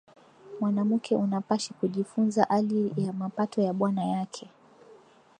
Mwanamuke unapashi kujifunza ali ya mapato ya bwana yake